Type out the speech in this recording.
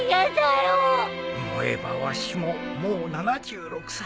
思えばわしももう７６歳。